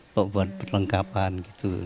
buat perlengkapan gitu